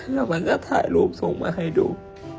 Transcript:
แล้วมันก็ถ่ายรูปส่งมาให้ดู